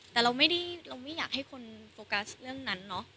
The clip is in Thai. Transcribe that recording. แต่เราไม่ได้เราไม่อยากให้คนโฟกัสเรื่องนั้นเนอะ